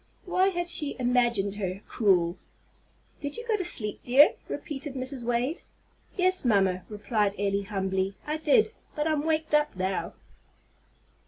Why had she imagined her cruel? "Did you go to sleep, dear?" repeated Mrs. Wade. "Yes, mamma," replied Elly, humbly; "I did. But I'm waked up now."